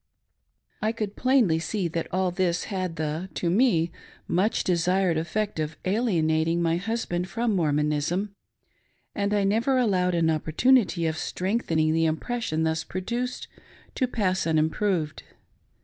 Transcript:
I could plainly see that all this had the, to me, much desired effect of alienating my husband from Mormonism, and' I never allowed an opportunity of strengthening the impres sion thus produced to pass unimproved.